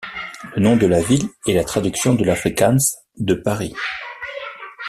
Le nom de la ville est la traduction de l'afrikaans de Paris.